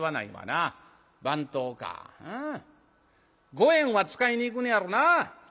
五円は使いに行くのやろなぁ。